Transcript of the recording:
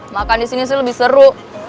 makan disini sih lebih seru